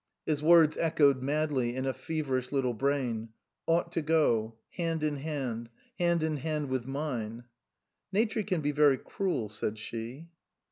His words echoed madly in a feverish little brain, " Ought to go hand in hand hand in hand with mine." " Nature can be very cruel," said she.